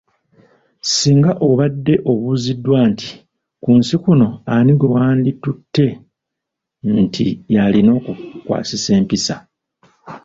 Singa obadde obuuziddwa nti ku nsi kuno, ani gwe wanditutte nti y'alina okukukwasisa empisa.